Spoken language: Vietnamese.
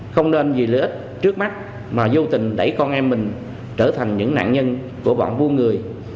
không nên vì lợi ích trước mắt mà vô tình đẩy con em mình trở thành những nạn nhân của bọn vua người